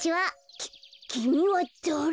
ききみはだれ？